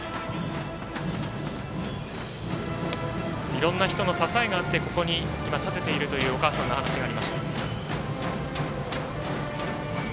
いろんな人の支えがあってここに立てているというお母さんの話がありました。